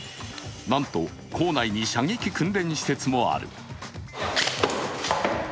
なんと構内に射撃訓練施設もある。